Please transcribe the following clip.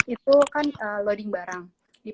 itu kan loading barang